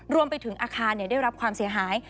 รวมไปถึงอาคารได้รับความเสียหาย